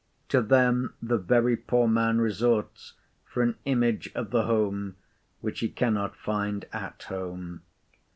To them the very poor man resorts for an image of the home, which he cannot find at home.